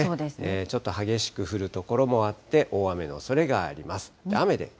ちょっと激しく降る所もあって、大雨のおそれがあります。